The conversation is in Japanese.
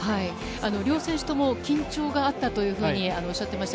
両選手とも緊張があったというふうにおっしゃっていました。